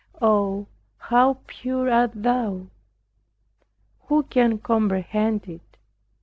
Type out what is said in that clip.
Oh, how pure art thou! Who can comprehend it?